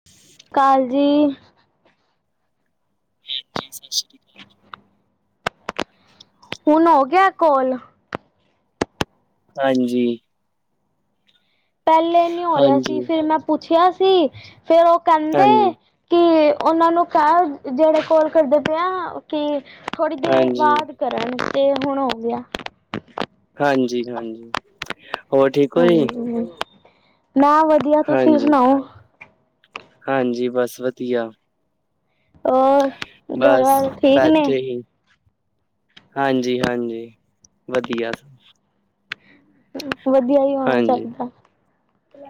ਹ [unintelligible] ਕਾਲ ਜੀ। ਜੀ, ਸਤਿ ਸ਼੍ਰੀ ਅਕਾਲ। ਹੁਣ ਹੋ ਗਿਆ ਕੋਲ! ਹਾਂਜੀ। ਪੈਲੇ ਨੀ ਹੋ ਰੇਆ ਸੀ ਹਾਂਜੀ, ਫੇਰ ਮੈ ਪੁੱਛੇਆ ਸੀ, ਫੇਰ ਓ ਕੈਂਦੇ ਹਾਂਜੀ, ਕੇ ਓਨਾ ਨੂੰ ਕੈ ਜੇੜੇ ਕੋਲ ਕਰਦੇ ਪਏ ਆ ਕੀ ਥੋੜੀ ਦੇਰ ਹਾਂਜੀ, ਬਾਦ ਕਰਨ ਤੇ ਹੁਣ ਹੋ ਗੇਆ। ਹਾਂਜੀ-ਹਾਂਜੀ। ਹਾਂਜੀ, ਮੈ ਵਦੀਆ ਤੁਸੀ ਹਾਂਜੀ, ਸੁਣਾਓ? ਹਾਂਜੀ ਬਸ ਵਦੀਆ। ਹੋਰ ਘਰ ਬਸ ਵਾਲੇ ਠੀਕ ਨੇ ਬੈਠੇ ਹੀਂ। ਹਾਂਜੀ-ਹਾਂਜੀ ਵਦੀਆ। ਵਦੀਆ ਈ ਹੋਣਾ ਚਾਈਦਾ।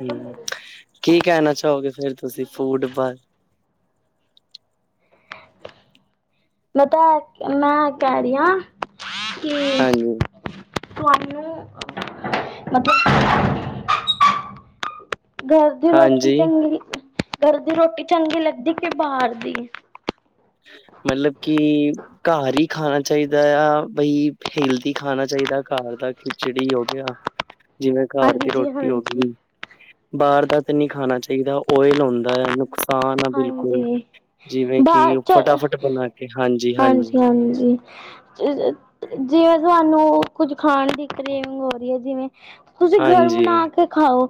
ਹੂੰ ਕੀ ਕੈਂਣਾ ਚਾਓਗੇ ਫੇਰ ਤੁਸੀ ਫੂਡ ਬ ਪਤੈ ਮੈ ਕੈ ਰਈ ਆਂ ਹਾਂਜ ਤੁਆਨੂੰ [inaudible] ਗਰ ਦੀ ਰੋਟੀ ਹਾਂਜੀ ਚੰਗੀ ਗਰ ਦੀ ਰੋਟੀ ਚੰਗੀ ਲਗਦੀ ਕੇ ਬਾਰ ਦੀ? ਮਲੇ ਕੀ ਘਰ ਈ ਖਾਣਾ ਚਾਈਦਾ ਆ ਬਈ ਹੇਲਦੀ ਖਾਣਾ ਚਾਈਦਾ ਘਰ ਦਾ ਖੀਚੜੀ ਹੋ ਗੇਆ, ਜਿਵੇ ਘਰ ਦੀ ਹਾਂਜੀ ਰੋਟੀ ਹੋ ਹਾਂਜੀ ਗੀ। ਬਾਰ ਦਾ ਤਾਂ ਨਈ ਖਾਣਾ ਚਾਈਦਾ ਓਈਲ ਹੁੰਦਾ ਨੁਕਸ ਤਾਂ ਨਾ ਬੇਲਕੁਲ ਹਾਂਜੀ ਜਿਵੇ ਕੇ ਬਾਹਰ ਓ ਚ ਫਟਾਫਟ ਬਣਾ ਕੇ ਹਾਂਜੀ- ਹਾਂਜੀ, ਹਾਂਜੀ। ਜੇ ਜੇ ਜੀਵੇ ਤੁਆਨੂੰ ਕੁੱਝ ਖਾਣਦੀ ਦੀ ਟ੍ਰੇਨੀਗ ਹੁੰਦੀ ਏ ਜਿਵੇ ਤੁਸੀ ਗਰ ਹਾਂਜੀ ਬਣਾ ਕੇ ਖਾਓ,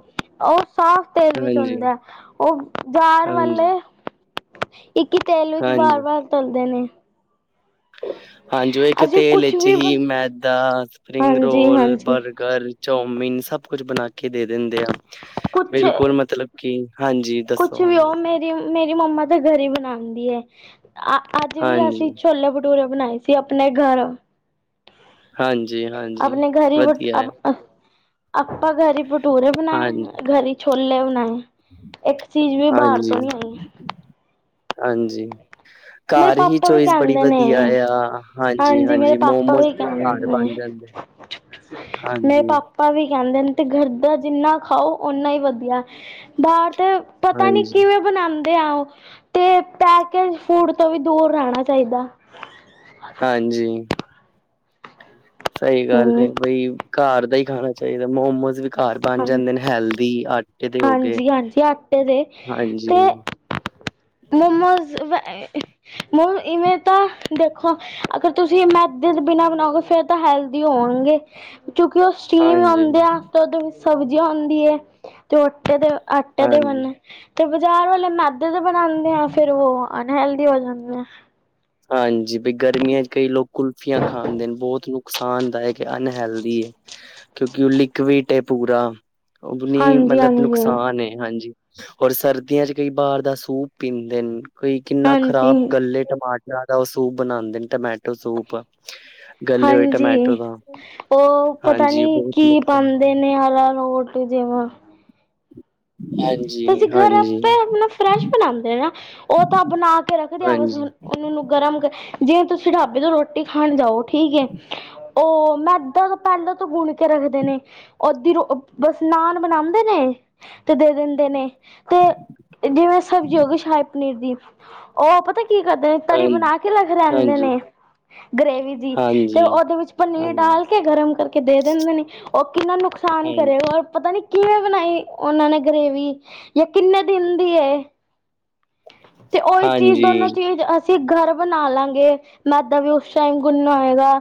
ਓ ਸਾਫ਼ ਤੇਲ ਵਿਚ ਹਾਂਜੀ ਹੁੰਦੈ, ਓ ਬਾਰ ਹਾਂਜੀ ਇਕ ਈ ਤੇਲ ਵਿਚ ਹਾਂਜੀ ਬਾਰ-ਬਾਰ ਤਲਦੇ ਨੇ। ਹਾਂਜੀ ਓ ਇਕ ਅਸੀਂ ਤੇਲ ਕੁਛ ਏਚ ਵੀ ਹੀ ਬਣ ਮੈਦਾ ਸਪਰੀਂਗ ਹਾਂਜੀ ਰੋਲ ਹਾਂਜੀ ਬਰਗਰ ਚੌਮੀਗ ਸਭ ਕੁਛ ਬਣਾ ਕੇ ਦੇ ਦੇਦੇ ਆ, ਕੁਛ ਬੇਲਕੁਲ ਮਤਲਬ ਕੀ ਹਾਂਜੀ। ਕੁਛ ਦੱਸੋ ਵੀ ਹਾਂਜੀ ਓ ਮੇਰੀ, ਮੇਰੀ ਮੰਮਾ ਤਾਂ ਘਰ ਈ ਬਣਾਦੀ ਐ, ਅ ਅਜ ਵੀ ਹਾਂਜੀ ਅਸੀ ਛੋਲੇ-ਭਟੂਰੇ ਬਣਾਏ ਸੀ ਆਪਣੇ ਗਰ। ਹਾਂਜੀ ਹਾਂਜੀ ਆਪਣੇ ਗਰ ਵੀ ਵਟ ਵਧੀਆ ਹੈ ਅ ਆਪਾ ਗਰ ਈ ਬਟੂਰੇ ਹਾਂਜੀ ਬਣਾਏ ਗਰ ਈ ਛੋਲੇ ਬਣਾਏ। ਇੱਕ ਚੀਜ਼ ਵੀ ਬਾਹਰ ਹਾਂਜੀ, ਤੋਂ ਨਹੀਂ ਆਈ ਹਾਂਜੀ। ਮੇਰੇ ਘਰ ਹੀ ਪਾਪਾ ਵੀ ਚੋਈਸ ਬੜੀ ਕਹਿੰਦੇ ਨੇ ਵਦੀਆ ਆ, ਹਾਂਜੀ ਮੇਰੇ ਹਾਂਜੀ-ਹਾਂਜੀ ਪਾਪਾ ਮੋਮੋਸ ਵੀ ਕਹਿੰਦੇ ਘਰ ਨੇ ਬਣ ਜਾਦੇ। ਹਾਂਜੀ। ਪਾ ਵੀ ਕੈਂਦੇ ਨੇ ਤੇ ਗਰ ਦਾ ਜੀਨਾ ਖਾਓ ਓਨਾ ਈ ਵਦੀਐ ਬਾਰ ਤੇ ਪਤਾ ਨੀ ਹਾਂਜੀ, ਕੀਵੇਂ ਬਣਾਦੇ ਆ ਓ, ਤੇ ਪੈਕੇਜ ਫੂਡ ਤੋਂ ਵੀ ਦੂਰ ਰੈਂਣਾ ਚਾਈਦਾ। ਹਾਂਜੀ। ਸਈ ਗੱਲ ਏ ਹਮ ਬਈ ਘਰ ਦਾ ਈ ਖਾਣਾ ਚਾਈਦਾ, ਮੋਮੋਸ ਵੀ ਘਰ ਬਣ ਹਾਂ ਜਾਂਦੇ ਨੇ ਹੈਲਦੀ ਆਟੇ ਦੇ ਹੋ ਗੇ, ਹਾਂਜੀ ਹਾਂਜੀ ਹਾਂਜੀ। ਮੋਮੋਜ਼ [unintelligible] ਮ ਈਵੇਂ ਤਾਂ ਦੇਖੋ ਅਗਰ ਤੁਸੀਂ ਮੈਦੇ ਦੇ ਬੀਨਾਂ ਬਣਾਓਗੇ ਫੇਰ ਤਾਂ ਹੈਲ ਹੋਣਗੇ ਕਿਉਂਕੇ ਓ ਸਟੀਮ ਹਾਂਜੀ, ਆਔਦੇ ਆ ਤੇ ਓਦੇ ਵੀ ਸਬਜ਼ੀਆ ਹੁੰਂਦੀ ਏ, ਤੇ ਓ ਅੱਟੇ ਦੇ ਆਟੇ ਦੇ ਆਟੇ ਦੇ ਹਾਂਜੀ। ਬਨ ਤੇ ਬਜ਼ਾਰ ਵਾਲੇ ਮੈ ਦੇ ਦੇ ਬਣਾਦੇ ਆ, ਫੇਰ ਓ ਅਨਹੈਲਦੀ ਹੋ ਜਾਂਦੇ ਐ। ਹਾਂਜੀ ਬੀ ਗਰਮੀਆ ਚ ਕਈ ਲੋਕ ਕੁਲਫੀਆਂ ਖਾਂਦੇ ਨੇ ਬੋਤ ਨੁਕਸਾਨਦਾਅਕ ਅਨਹੈਲਦੀ ਏ। ਕੇਉਕਿ ਓ ਲਿਕਵਿਟ ੲੈ ਪੁਰਾ, ਓਦੋ ਨੀ ਹਾਂਜੀ ਮਲਬ ਹਾਂਜੀ ਨੁਕਸਾਨ ਏ, ਹਾਂਜੀ ਹੋਰ ਸਰਦੀਆ ਚ ਕਈ ਬਾਰ ਦਾ ਸੂਪ ਪੀਦੇ, ਕਈ ਕਿੰਨਾ ਖ਼ਰਾਬ ਹਾਂਜੀ ਗਲ ਏ ਟਮਾ ਰਾ ਦਾ ਓ ਸੂਪ ਬਣਾਦੇ ਨੇ ਟਮੈਟੋ ਸੂਪ ਗੱਲੇ ਹੋਏ ਟਮੈਟੋ ਹਾਂਜੀ, ਦਾ। ਓ ਪਤਾ ਹਾਂਜੀ, ਨੀ ਬਹੁਤ ਕੀ ਨੁਕਸਾਨ ਪਾਦੇ ਹੈ। ਨੇ ਅਲਾਰੋਟ ਤੇ ਜੇਵਾ। ਹਾਂਜ। ਤੁਸੀਂ ਘਰ ਆਪੇ ਅਪਣਾ ਫਰੈਸ਼ ਬਣਾਦੇ ਨਾ, ਓ ਤਾਂ ਬਣਾ ਕੇ ਰੱਖਦੇ ਹਾਂਜੀ, ਹੈਗੇ [unintelligible] ਮਨੂੰ ਗਰਮ ਕਰ, ਜੇ ਤੁਸੀਂ ਢਾਬੇ ਤੇ ਰੋਟੀ ਖਾਣ ਜਾਓ, ਠੀਕ ਏ ਓ ਮੈਦਾ ਤਾਂ ਪੈਲੇ ਤੋ ਗੁਨ ਕੇ ਰੱਖਦੇ ਨੇ। ਓਦੀ ਰੋ ਅ, ਬਸ ਨਾਨ ਬਣਾਦੇ ਨੇ, ਤੇ ਦੇ ਦ ਦੇਨੇ, ਤੇ ਜਿਵੇਂ ਸਬਜ਼ੀ ਹੋ ਗਈ ਸ਼ਾਈ-ਪਨੀਰ ਦੀ ਓ ਪਤਾ ਕੀ ਕਰਦੇ ਨੇ, ਤਰੀ ਹਾਂਜੀ, ਬਣਾ ਕੇ ਰੱਖ ਰੈਦੇ ਹਾਂਜੀ, ਨੇ ਗ੍ਰੇਵੀ ਜੀ, ਹਾਂਜੀ, ਤੇ ਹਾਂਜੀ, ਓਦੇ ਵਿੱਚ ਪਨੀਰ ਡਾਲ ਹਾਂਜੀ, ਕੇ ਗਰਮ ਕਰਕੇ ਦੇ ਦਿੰਦੇ ਨੇ, ਓ ਕਿੰਨਾ ਨੁਕਸਾਨ ਕਰੇਗਾ ਅੋਰ ਪਤਾ ਨੀ ਕਿਵੇਂ ਬਣਾਈ ਓਨਾਂ ਨੇ ਗਰੇਵੀ, ਯਾ ਕਿੰਨੇ ਦਿਨ ਦੀ ਏ। ਤੇ ੳਈ ਚੀਜ਼ ਦੋਨੋ ਹਾਂਜੀ, ਚੀਜ਼ ਅਸ ਚੇ ਘਰ ਬਣਾ ਲਾਂਗੇ, ਮੈਦਾ ਵੀ ਓਸ਼ ਟਾਈਮ ਗੁੰਨਾ ਹੋਏਗਾ।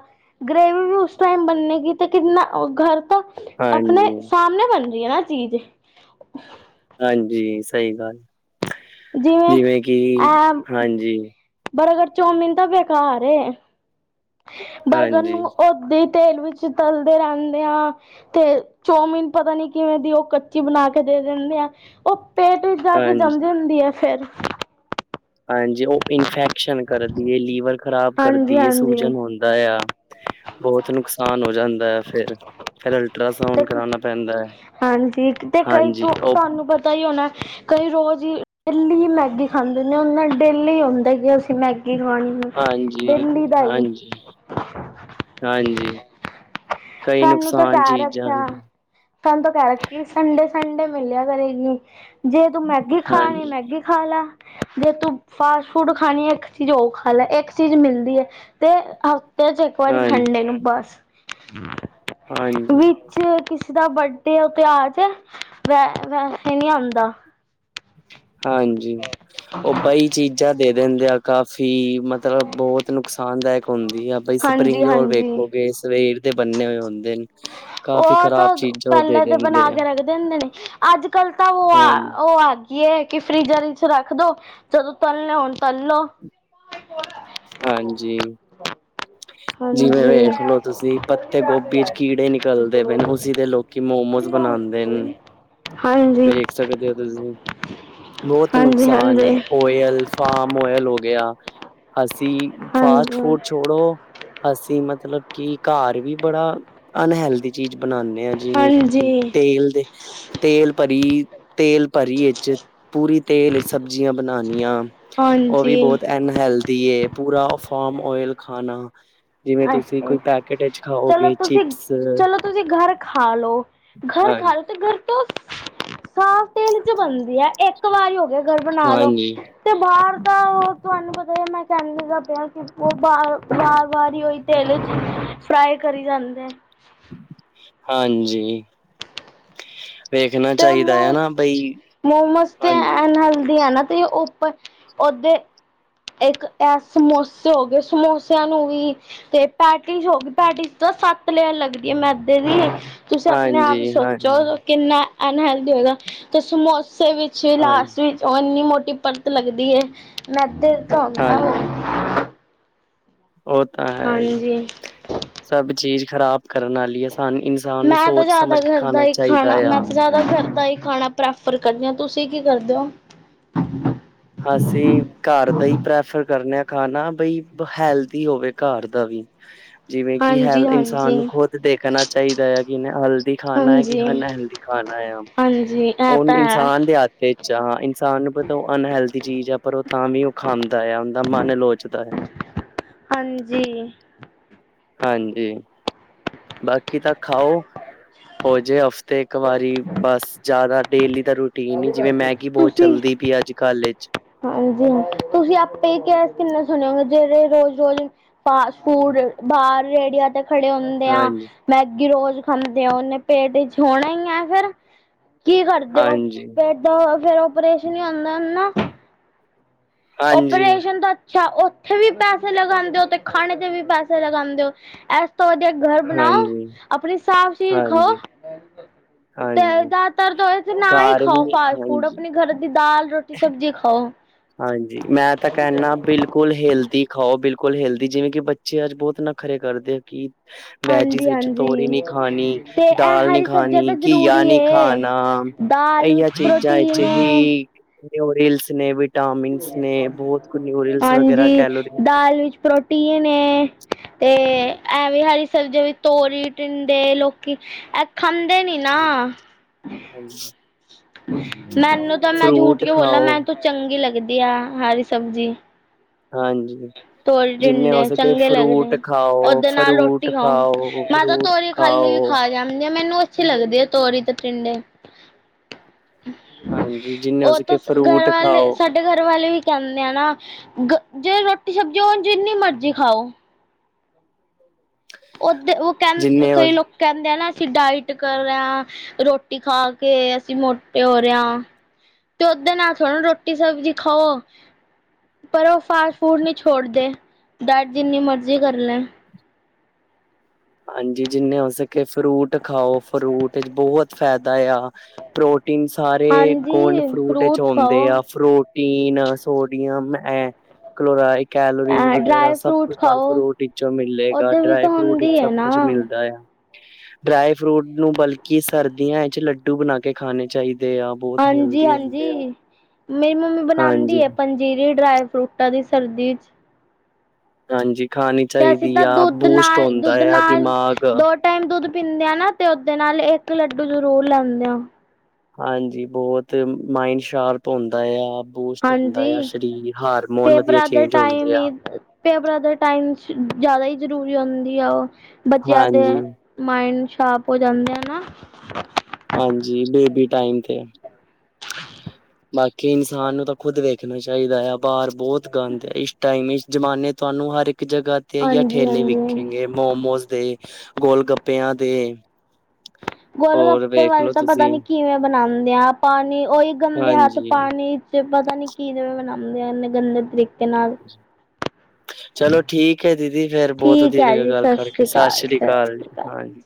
ਗ੍ਰੇਵੀ ਵੀ ਉਸ ਟਾਈਮ ਬਣੇਗੀ ਤੇ ਕਿੰਨਾ ਓ ਘਰ ਤ ਆਪਣੇ ਹਾਂਜੀ, ਸਾਮਣੇ ਬਣ ਰੀ ਐ ਨਾ ਚੀਜ। ਹਾਂਜੀ ਸਈ ਗੱਲ, ਜਿਵੇਂ ਕਿ ਐ ਹਾਂਜੀ ਬਰਗਰ, ਚਾਓਮੀਨ ਤਾਂ ਬੇਕਾਰ ਏ। ਬਰਗਰ ਹਾਂਜੀ, ਨੂੰ ਉਦਾ ਈ ਤੇਲ ਵਿੱਚ ਤਲਦੇ ਰੈਦੇ ਹਾ। ਤੇ ਚੌਮੀਨ ਪਤਾ ਨੀ ਕਿਵੇਂ ਦੀ ੳ ਕੱਚੀ ਬਣਾ ਕੇ ਦੇ ਦਿੰਦੇ ਆ, ਓ ਪੇ ਤੇ ਜਾ ਕੇ ਜਾਮ ਹਾਂਜੀ, ਜਾਦੀ ੲੈ ਫੇਰ। ਹਾਂਜੀ ਓ ਇਨਫੈਕਸ਼ਨ ਕਰਦੀ ਏ, ਲੀਵਰ ਖ਼ਰਾਬ ਹਾਂਜੀ ਕਰਦੀ ਹਏ, ਹਾਂਜੀ ਸੂਜਨ ਹੋ ਹੁੰਦਾ ਆ, ਬੋਤ ਨੁਕਸਾਨ ਹੋ ਜਾਂਦਾ ਫੇਰ। ਫੇਰ ਅਲਟਰਾਸਾਊਂਡ ਤੇ ਕਰਾਣਾ ਪੈਂਦਾ, ਹਾਂਜੀ ਓ ਤਾਈ ਓਨਾ ਕਈ ਰੋਜਈ ਡੇਲੀ, ਮੈਗੀ ਖਾਂਦੇ ਓਣਾ ਡੇਲੀ ਹੁੰਦਾ ਈ। ਅਸੀ ਮੈਗੀ ਖਾਣੀ ਏ, ਹਾਂਜੀ, ਡੇਲੀ ਦਾ ਈ। ਹਾਂਜੀ, ਹਾਂਜੀ ਕਈ ਸਾਨੂੰ ਤਾਂ ਨੁਕਸਾਨ ਕਾਰ ਚੀਜ਼ਾਂ ਅੱਛਾ। ਨੇ। ਸਾਨੂੰ ਤਾ ਕੈ ਰੱਖੀ ਸੰਡੇ-ਸੰਡੇ ਮਿਲੇਆ ਕਰੇਗੀ, ਜੇ ਤੂ ਮੈਗੀ ਖਾਣੀ ਹਾਂਜੀ, ਮੈਗੀ ਖਾ ਲਾ, ਜੇ ਤੂੰ ਫਾਸਟ ਫੂਡ ਖਾਣੀ, ਏਕ ਚੀਜ ਓ ਖਾ ਲੈ, ਏਕ ਚੀਜ ਮਿਲਦੀ ਏ। ਤੇ ਹਫਤੇ ਚ ਏਕ ਵਾਰੀ ਹਾਂਜੀ, ਸੰਡੇ ਨੂੰ ਬੱਸ। ਹਾਂਜੀ, ਵਿੱਚ ਕਿਸੇ ਦਾ ਬੱਡੇ ਓਤੇ ਆਜੇ, ਵੈ ਵੈਸੇ ਨੀ ਆਦਾ। ਹਾਂਜੀ, ਓ ਬਾਈ। ਚੀਜਾ ਦੇ ਦਿੰਦੇ ਆ ਕਾਫੀ, ਮਤਲਬ ਬੋਤ ਨੁਕਸਾਨਦਾਅਕ ਹੁੰਦੀ ਆ। ਬਾਈ ਹਾਂਜੀ ਸਪਰਿੰਗ ਰੋਲ ਹਾਂਜੀ ਵੇਖੋਗੇ ਸਵੇਰ ਦੇ ਬੰਨੇ ਹੋਏ ਹੁੰਦੇ ਨੇ ਕਾਫੀ ਖਰਾਬ ਚੀ- ਪੈਲੇ ਦੇ ਬਣਾ ਕੇ ਰੱਖਦੇ ਦੇ ਨੇ, ਅੱਜ-ਕੱਲ ਤਾਂ ਓ ਹਾਂਜੀ, ਆ ਓ ਆ। ਕੀ ਏ ਕੀ ਫਰੀਜਰ ਚ ਰੱਖ ਦੋ। ਜਦੋਂ ਤਲਨੇ ਹੋਣ ਤਲ ਲੋ। ਹਾਂਜੀ। ਜਿਵੇਂ ਹਾਂਜੀ, ਵੇਖਲੋ ਤੁਸੀ ਪੱਤੇ ਗੋਭੀ ਚ ਕੀੜੇ ਨਿਕਲਦੇ ਪੇ ਨੇ। ਹੋਣ ਤੁਸੀ ਦੇ ਲੋ ਕੀ ਮੋਮੋਸ ਬਣਾਦੇ ਨ, ਹਾਂਜੀ, ਹਾਂਜੀ, ਵੇਖ ਸਕਦੇ ਓ ਤੁਸੀ। ਲੋਤ ਨੁਕਸਾਨ ਏ। ਹਾਂਜੀ। ਓਯਲ ਫਾਮ ਓਯਲ ਹੋ ਗੇਆ। ਅਸੀਂ ਫਾਸਟ ਹਾਂਜੀ, ਫੂਡ ਛੋੜੋ ਅਸੀਂ ਮਤਲਬ ਕੀ ਘਾਰ ਵੀ ਬੜਾ ਅਨਹੈਲਦੀ- ਚੀਜ਼ ਬਨਾਨੇ ਆਂ ਜਿਵੇਂ ਕੀ ਹਾਂਜੀ, ਤੇਲ ਦੇ ਤੇਲ ਭਰੀ- ਤੇਲ ਭਰੀ ਇਚ- ਪੂਰੀ ਤੇਲ ਇਚ ਸਬਜ਼ੀਆਂ ਬਨਾਨੀਆਂ। ਓ ਵੀ ਹਾਂਜੀ। ਬੋਤ ਐਨਹੇਲਥ ਥੀਏ। ਪੂਰਾ ਫਾਰਮ ਓਇਲ ਖਾਣਾ। ਜਿਵੇਂ ਆਏ ਤੁਸੀਂ ਹਾਏ। ਕੋਈ ਪੈਕੇਟ ਵਿੱਚ ਚਲੋ ਖਾਓਗੇ ਤੁਸੀਂ ਚਿਪਸ ਚਲੋ ਤੁਸੀਂ ਘਰ ਖਾ ਲੋ। ਘਰ ਹਾਂ ਖਾ ਲੋ, ਤੇ ਘਰ ਤੋਂ ਸਾਫ਼ ਤੇਲ' ਚ ਬਣਦੀ ਐ। ਇੱਕ ਵਾਰੀ ਹੋ ਗਿਆ- ਘਰ ਬਨਾ ਲੋ। ਹਾਂਜੀ ਤੇ ਬਾਰ ਦਾ ਤੁਆਨੂੰ ਪਤਾ ਏ ਮੈਂ ਕੈਂਦੀ ਤੇ ਪ‌ਈ ਆ ਕੀ ਓ ਬਾਰ ਵਾਰ ਵਾਰ ਈ ਓਈ ਤੇਲ 'ਚ ਫਰਾਈ ਕਰੀ ਜਾਂਦੇ। ਹਾਂਜੀ ਵੇਖਣਾ ਤੇ ਐ ਚਾਹੀਦਾ ਹੈ ਮੋਮ ਨਾ ਬਈ ਮੋਮੋਸ ਤੇ ਹਾਂਜੀ ਐਨ ਹੈਲਦੀ ਏਨਾ ਤੇ ਓ- ਪਰ ਓਦੇ ਇੱਕ ਐ ਸਮੋਸੇ ਹੋ ਗਏ ਸਮੋਸਿਆਂ ਨੂੰ ਵੀ- ਤੇ ਪੈਟਿਸ ਹੋ ਗਈ। ਪੈਟਿਸ ਤਾਂ ਸੱਤ ਲੇਅਰ ਲੱਗਦੀ ਐ ਮੈਦੇ ਦੀ। ਤੁਸੀਂ ਆਪਣੇ ਆਪ ਈ ਹਾਂਜੀ ਸੋਚੋ। ਹਾਂਜੀ ਕਿੰਨਾ ਅਨਹੈਲਦੀ ਹੋਏਗਾ ਤੇ ਸਮੋਸੇ ਵਿੱਚ ਹਾਂ ਲਾਸਟ ਵਿੱਚ- ਓ ਓਨੀ ਮੋਟੀ ਪਰਤ ਲੱਗਦੀ ਐ। ਮੈਂਦਾ ਦਾ‌ ਤੇ ਹੁੰਦਾ ੳ। ਓ ਤਾਂ ਹੈ ਈ। ਹਾਂਜੀ ਸਭ ਚੀਜ਼ ਖ਼ਰਾਬ ਕਰਨ ਆਲੀ- ਕੀ ਸਾਨ ਇਨਸਾਨ ਨੂੰ ਮੈਂ ਤਾਂ ਸੋਚ ਜ਼ਿਆਦਾ ਸਮਝ ਕੇ ਘਰ ਦਾ ਖਾਣਾ ਹੀ ਚਾਈਦਾ ਆ। ਤਾਂ ਜ਼ਿਆਦਾ ਮੈਂ ਘਰ ਦਾ ਈ ਖਾਨਾ ਪ੍ਰੈਫਰ ਕਰਨੀ ਆ। ਤੁਸੀਂ ਕੀ ਕਰਦੇ ਓ? ਅਸੀਂ ਘਰ ਦਾ ਈ ਪ੍ਰੈਫਰ ਕਰਨੇ ਆ ਖਾਨਾ। ਬਈ ਹੈਲਦੀ ਹੋਵੇ ਘਰ ਦਾ ਵੀ। ਜਿਵੇਂ ਕਿ ਹਾਂਜੀ ਹੈਲ ਇਨਸਾਨ ਨੂੰ ਹਾਂਜੀ ਖੁਦ ਦੇਖਣਾ ਚਾਈਦਾ ਐ ਕੀ ਏਨੇ ਹੈਲਦੀ- ਖਾਨਾ ਏ ਕੀ ਹਾਂਜੀ ਅਨਹੈਲਦੀ ਖਾਨਾ ਆ। ਹਾਂਜੀ ਇਹ ਓ ਤਾਂ ਹੈ ਇਨਸਾਨ ਦੇ ਹਥ ਇਚ ਆ। ਇਨ- ਸਾਨ ਪਤਾ ਓ ਅਨਹੈਲਦੀ ਚੀਜ਼ ਆ, ਪਰ ਓ ਤਾਂ ਵੀ ਓ ਖਾਂਦਾ ਆ। ਓਦਾ ਮਨ ਲੋਚਦਾ ਆ। ਹਾਂਜੀ ਹਾਂਜੀ- ਬਾਕੀ ਤਾਂ ਖਾਓ ਹੋ ਜੇ ਹਫ- ਤੇ ਇੱਕ ਵਾਰੀ ਬਸ ਜਾਦਾ ਡੇਲੀ ਦਾ ਰੂਟੀਨ ਈ ਜਿਵੇਂ ਮੈਗੀ ਬੋਤ ਤੁਸੀਂ ਚੱਲਦੀ ਪਈ ਅੱਜ ਕੱਲ੍ਹ। ਹਾਂਜੀ ਹਾਂ ਤੁਸੀਂ ਆਪੇ ਕਿਆ ਕਿੰਨੇ ਸੁਣਿਆ ਹੋਗੇ ਜੇੜੇ ਰੋਜ਼ ਰੋਜ਼- ਫਾਸਟ ਫੂਡ ਬਾਰ ਰੇੜੀਆਂ ਤੇ- ਖੜੇ ਹੁੰਦੇ ਆਂ ਹਾਂਜੀ, ਮੈਗੀ ਰੋਜ਼ ਖਾਂਦੇਓ। ਓਨੇ ਪੇਟ ਵਿੱਚ ਹੋਣਾ ਈ ਆ ਫੇਰ। ਕੀ ਕਰਦੇ ਓ। ਹਾਂਜੀ, ਪੇਟ ਦਾ ਓ ਫੇਰ ਓਪਰੇਸ਼ਨ ਈ ਹੁੰਦਾ ਨਾ। ਹਾਂਜੀ, ਓਪਰੇਸ਼ਨ ਦਾ- ਅਛਾ ਓਥੇ ਵੀ ਪੈਸੇ ਲਗਾਂਦੇ ਓ ਤੇ ਖਾਣੇ ਤੇ ਵੀ ਪੈਸੇ ਲਗਾਂਦੇ ਓ। ਐਸ- ਤੋਂ ਵਧੀਆ ਡਰ ਬਣਾਓ। ਹਾਂਜੀ, ਆਪਣੇ ਸਾਫ- ਹਾਂਜੀ ਤੇ ਹਾਂਜੀ। ਜ਼ਿਆਦਾਤਰ ਤੋਂ ਏ ਕੀ ਨਾ ਈ ਘਰ ਖਾਓ ਵੀ ਫਾਸਟ ਫੂਡ। ਹਾਂਜੀ, ਆਪਣੇ ਗਰ ਦੀ ਦਾਲ, ਰੋਟੀ, ਸਬਜ਼ੀ ਖਾਓ। ਹਾਂਜੀ ਮੈਂ ਤਾਂ ਕੈਣਾ ਬਿਲ- ਬਿਲਕੁਲ ਹੈਲਦੀ ਖਾਓ -ਬਿਲਕੁਲ ਹੈਲਦੀ। ਜਿਵੇਂ ਕੀ ਬੱਚੇ ਅੱਜ ਬੋਤ ਨਖਰੇ ਕਰਦੇ ਕੀ- ਵੈਜਿਸ ਵਿੱਚ ਤੋਰੀ ਹਾਂਜੀ-ਹਾਂਜੀ ਨੀ ਖਾਨੀ, ਤੇ ਇਹ ਦਾਲ ਨੀ ਹਰੀ ਸਬਜ਼ੀਆਂ ਤਾਂ ਖਾਣੀ, ਘੀਆ ਜ਼ਰੂਰੀ ਨੀ ਏ। ਖਾਨਾ। ਦਾਲ ਏਈਆ ਵਿੱਚ ਚੀਜ਼ਾਂ ਹਿਚ ਪ੍ਰੋਟੀਨ ਏ। ਹੀ ਮਿਉਰਿਲਸ ਨੇ ਵਿਟਾ- ਟਾਮਿਨਸ ਨੇ। ਬੋਤ ਕੁ ਨਿਊੂਰਲਸ ਵਗੈਰਾ ਹਾਂਜੀ, ਕੈਲੋਰੀ- ਦਾਲ ਵਿੱਚ ਪ੍ਰੋਟੀਨ ਏ ਤੇ- ਜੀ, ਐਵੇ ਹਰੀ ਸਬਜ਼ੀਆਂ ਵਿਚ ਤੋਰੀ, ਟੀਂਡੇ, ਲੋਕੀ ਐ- ਖੰਦੇ ਨੀ ਨਾ। ਹਾਂਜੀ ਮੈਨੂੰ ਤੋ ਨਾ ਮੈਂ ਜੂਠ ਫਰੂਟ ਕਿਉ ਬੋਲਾਂ ਖਾਓ, ਮੈ ਤੋਂ ਚੰਗੀ ਲੱਗਦੀ ਆ ਹਰੀ ਸਬਜ਼ੀ ਹਾਂਜੀ ਤੋਲ ਜਿੰਨੇ ਹੋ ਡਿੰਡੇ ਸਕੇ ਚੰਗੇ ਲੱਗਦੇ ਫਰੂਟ ਖਾਓ, ਓਦੇ ਨਾਲ ਫਰੂਟ ਰੋਟੀ ਖਾਓ ਮੈਂ ਤਾਂ ਫਰੂਟ ਤੋਰੀ ਖਾਲੀ ਖਾਓ। ਖਾ ਜਾਂਦੇ ਏ ਮੈਨੂੰ ਅੱਛੀ ਲੱਗਦੀ ਆ ਤੋਰੀ ਤੇ ਟੀਡੇ ਹਾਂਜੀ, ਜਿੰਨੇ ਹੋ ਉਹ ਤੋ ਸਕੇ ਘਰ ਫਰੂਟ ਵਾਲੇ ਖਾਓ, ਸਾਡ ਤੇ ਘਰ ਵਾਲੇ ਹੀ ਕਹਿੰਦੇ ਆ ਨਾ ਗ ਜੇ ਰੋਟੀ ਸਬਜ਼ੀ ਹੋ ਜਿੰਨੀ ਮਰਜ਼ੀ ਖਾਓ ਉਦੇ ਉਹ ਕਹਿ ਜਿੰਨੇ ਹੋ ਕਈ ਲੋਕ ਕਹਿੰਦੇ ਆ ਨਾ ਅਸੀਂ ਡਾਈਟ ਕਰ ਰਾ ਆ ਰੋਟੀ ਖਾ ਕੇ ਅਸੀਂ ਮੋਟੇ ਹੋ ਰਹੇ ਆ ਤੇ ਉਦੇ ਨਾਲ ਥੋ੍ੜਾ ਰੋਟੀ ਸਬਜ਼ੀ ਖਾਓ ਪਰ ਉਹ ਫਲ ਫੂਡ ਨਹੀਂ ਛੋੜਦੇ ਡਾਇਟ ਜਿੰਨੀ ਮਰਜ਼ੀ ਕਰ ਲੈਣ ਹਾਂਜੀ ਜਿੰਨੇ ਹੋ ਸਕੇ ਫਰੂਟ ਖਾਓ ਫਰੂਟ ਚ ਬਹੁਤ ਫਾਇਦਾ ਆ ਪ੍ਰੋਟੀਨ ਸਾਰੇ ਏ ਕੋਣ ਹਾਂਜੀ ਫਰੂਟ ਚ ਫਰੂਟਸ ਹੁੰਦੇ ਖਾਓ ਆ ਫਰੂਟ ਟੀਨ ਸੋਡੀਅਮ ਐ ਕਲੋਰਾ ਕੈਲੋਰੀਜ਼ ਵਗੈਰਾ ਡਰਾਈ ਸਭ ਫਰੂਟ ਕੁਛ ਤੁਹਾਨੂੰ ਖਾਓ ਫਰੂਟ ਇਚੋਂ ਮਿਲੇਗਾ ਉਹਦੇ ਵਿੱਚ ਡਰਾਈ ਤਾਂ ਫਰੂਟ ਈ ਹੁੰਦੀ ਹੈ ਸਭ ਕੁਛ ਨਾ ਮਿਲ ਡਾਇ ਆ ਡਰਾਈ ਫਰੂਟ ਨੂੰ ਬਲਕਿ ਸਰਦੀਆਂ ਚ ਲੱਡੂ ਬਣਾ ਕੇ ਖਾਣੇ ਚਾਹੀਦੇ ਆ ਬਹੁਤ ਹਾਂਜੀ ਹੈਲਦੀ ਹੁੰਦੇ ਆ। ਹਾਂਜੀ ਮੇਈ ਮੰਮੀ ਬਣਾਦੀ ਹਾਂਜੀ, ਆ ਪੰਜ ਜੀਰੇ ਡਰਾਏ ਫਰੂਟਾਂ ਦੀ ਸਰਦੀ ਚ ਹਾਂਜੀ ਖਾਣੀ ਤੇ ਅਸੀਂ ਚਾਹੀਦੀ ਤੇ ਆ ਦੁੱਧ ਬੂਸਟ ਨਾਲ ਹੁੰਦਾ ਦੁੱਧ ਆ ਨਾਲ ਦਿਮਾਗ ਦੋ ਟਾਈਮ ਦੁੱਧ ਪੀਂਦੇ ਆ ਨਾ ਤੇ ਓਦੇ ਨਾਲ ਇੱਕ ਲੱਡੂ ਜ਼ਰੂਰ ਲੈਂਦੇ ਆ ਹਾਂਜੀ ਬਹੁਤ ਮਾਇੰਡ ਸ਼ਾਰਪ ਹੁੰਦਾ ਆ ਬੂਸਟ ਹੁੰਦਾ ਆ ਹਾਂਜੀ ਸਰੀਰ ਹਾਰਮੋਨ ਵਧੀਆ ਪੇਪਰਾਂ ਦੇ ਚੇਂਜ ਹੁੰਦੇ ਟਾਈਮ ਆ ਹੀ ਪੇਪਰਾਂ ਦੇ ਟਾਈਮ ਚ ਜ਼ਿਆਦਾ ਈ ਜ਼ਰੂਰੀ ਹੁੰਦੀ ਆ ਉਹ ਬੱਚਿਆਂ ਦੇਏ ਹਾਂਜੀ, ਮਾਇੰਡ ਸ਼ਾਪ ਹੋ ਜਾਂਦੇ ਆ ਨਾ ਹਾਂਜੀ ਬੇਬੀ ਟਾਈਮ ਤੇ ਐ ਬਾਕੀ ਈਨਸਾਨ ਨੂੰ ਤਾਂ ਖੁੱਦ ਵੇਖਣਾ ਚਾਹੀਦਾ ਆ ਬਾਜ ਬਹੁਤ ਗੰਦ ਆ ਇਸ ਟਾਈਮ ਜਮਾਨੇ ਤੁਹਾਨੂੰ ਹਰ ਇੱਕ ਜਗ੍ਹਾ ਤੇ ਹਾਂਜੀ ਠੇਲੇ ਵੇਖੇ ਹਾਂਜੀ ਗੇ ਮੋਮੋਜ ਦੇ ਗੋਲ ਗੱਪਿਆਂ ਦੇ ਗੋਲ ਹੋਰ ਗੱਪੇ ਵਾਲੇ ਵੇਖਲੋ ਤਾਂ ਪਤਾ ਤੁਸੀਂ ਨੀ ਕਿਵੇਂ ਬਣਾਦੇ ਆ ਪਾਣੀ ਉਹੀ ਗੰਦੇ ਹੱਥ ਹਾਂਜੀ ਪਾਣੀ ਤੇ ਪਤਾ ਨੀ ਕੀਰਰ ਬਣਾਉਂਦੇ ਹਨ ਗੰਦੇ ਤਰੀਕੇ ਨਾਲ ਤੇ ਚਲੋ ਠੀਕ ਐ ਦੀਦੀ ਫੇਰ ਬਹੁਤ ਠੀਕ ਦੇਰ ਹੋ ਹੈ ਗਿਆ ਜੀ ਗਲ ਸਤਿ ਕਰਕੇ ਸ੍ਰੀ ਅਕਾਲ ਸਤਿ ਸ੍ਰਸਰੀ ਕਾਲ ਸ੍ਰੀ ਅਕਾਲ ਹਾਂਜੀ